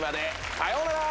さようならー！